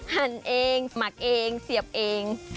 หั่นเองหมักเองเสียบเอง